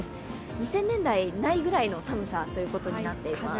２０００年代ないぐらいの寒さとなっています。